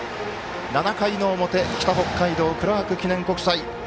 ７回の表北北海道のクラーク記念国際。